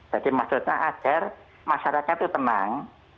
maksudnya agar masyarakat itu tenang